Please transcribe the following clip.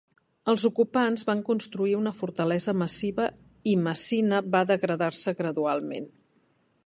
Els ocupants van construir una fortalesa massiva i Messina va degradar-se gradualment.